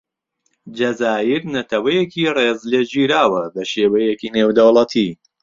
جەزائیر نەتەوەیەکی ڕێز لێگیراوە بەشێوەیەکی نێودەوڵەتی.